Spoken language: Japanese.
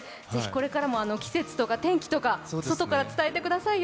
これからも季節とか天気とか外から伝えてくださいよ。